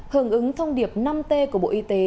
hưởng ứng thông điệp năm t của bộ y tế